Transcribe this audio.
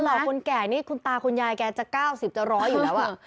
คนแก่นี่คุณตาคุณยายแกจะ๙๐จะร้อยอยู่แล้ว